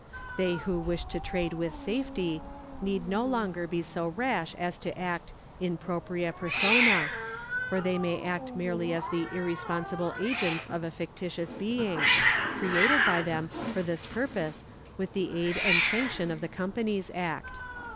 They who wish to trade with safety need no longer be so rash as to act in propria persona, for they may act merely as the irresponsible agents of a fictitious being, created by them for this purpose with the aid and sanction of the Companies Act.